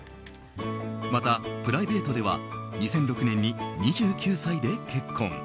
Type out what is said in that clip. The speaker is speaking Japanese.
また、プライベートでは２００６年に２９歳で結婚。